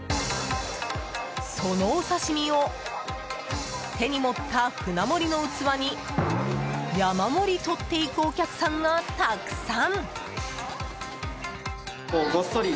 そのお刺し身を手に持った舟盛りの器に山盛り取っていくお客さんがたくさん。